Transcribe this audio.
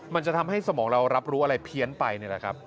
มันจะทำให้สมองเรารับรู้อะไรเพี้ยนไปนี่แหละครับ